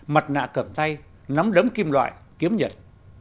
mặt nạ cầm tay nắm đấm kim loại kiếm nhật